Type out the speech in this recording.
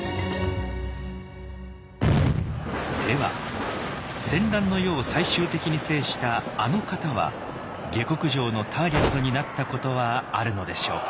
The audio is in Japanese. では戦乱の世を最終的に制した「あの方」は下剋上のターゲットになったことはあるのでしょうか。